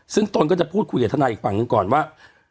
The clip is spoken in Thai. ซึ่งตนก็จะพูดคุยกับทนายอีกฝั่งหนึ่งก่อนว่า